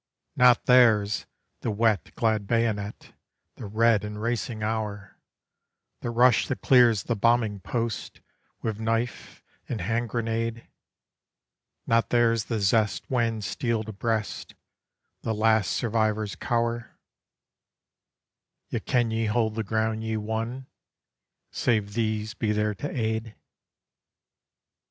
Not theirs, the wet glad bayonet, the red and racing hour, The rush that clears the bombing post with knife and hand grenade; Not theirs the zest when, steel to breast, the last survivors cower, Yet can ye hold the ground ye won, save these be there to aid?